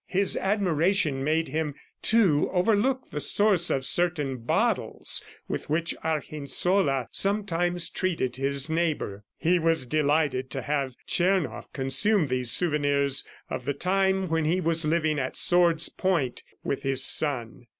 His admiration made him, too, overlook the source of certain bottles with which Argensola sometimes treated his neighbor. He was delighted to have Tchernoff consume these souvenirs of the time when he was living at swords' points with his son.